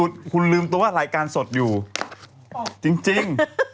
เสียงศธอน